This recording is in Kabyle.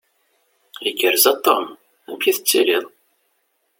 Igerrez a Tom? Amek i tettiliḍ?